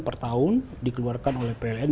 per tahun dikeluarkan oleh pln